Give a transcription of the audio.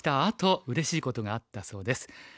あとうれしいことがあったそうです。